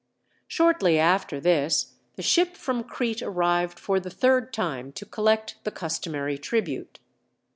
Shortly after this the ship from Crete arrived for the third time to collect the customary tribute.